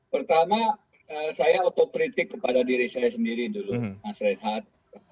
pertama saya otokritik kepada diri saya sendiri dulu mas rehat